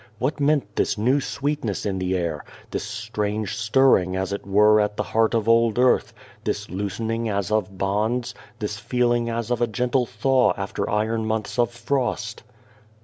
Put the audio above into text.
What meant this new sweetness in the air, this strange stirring as it were at the heart of old earth, this loosen ing as of bonds, this feeling as of gentle thaw after iron months of frost?